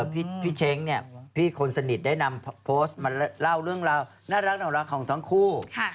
พี่เช้งเนี่ยพี่คนสนิทได้นำโพสต์มาเล่าเรื่องราวน่ารักของทั้งคู่